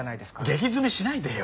激詰めしないでよ！